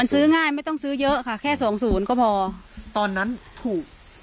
ซื้อง่ายไม่ต้องซื้อเยอะค่ะแค่สองศูนย์ก็พอตอนนั้นถูก